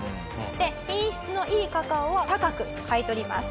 品質のいいカカオは高く買い取ります。